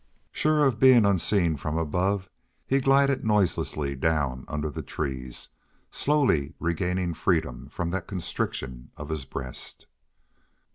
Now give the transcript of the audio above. Sure of being unseen from above, he glided noiselessly down under the trees, slowly regaining freedom from that constriction of his breast.